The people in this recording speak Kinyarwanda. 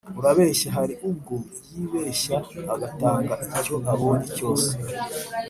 urabeshya hari ubwo yibeshya agatanga icyo abonye cyose"